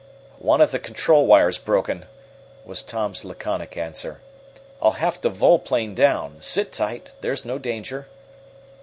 "One of the control wires broken!" was Tom's laconic answer. "I'll have to volplane down. Sit tight, there's no danger!"